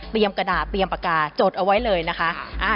กระดาษเตรียมปากกาจดเอาไว้เลยนะคะ